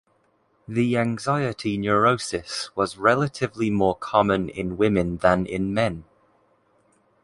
The anxiety neurosis was relatively more common in women than in men.